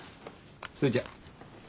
それじゃ。